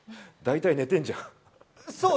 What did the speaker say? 大体寝てんじゃん。